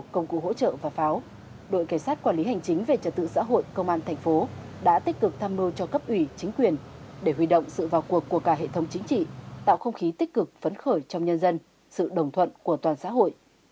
các quản lý hành chính về trật tự xã hội công an thành phố đã tích cực tham mưu cho cấp ủy chính quyền để huy động sự vào cuộc của cả hệ thống chính trị tạo không khí tích cực phấn khởi trong nhân dân sự đồng thuận của toàn xã hội